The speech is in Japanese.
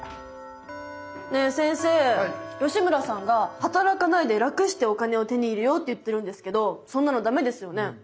ねえ先生吉村さんが働かないで楽してお金を手に入れようって言ってるんですけどそんなのダメですよね。